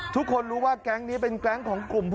ทุกคนรู้ว่าแก๊งนี้เป็นแก๊งของกลุ่ม